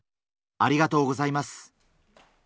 ありがとうございます。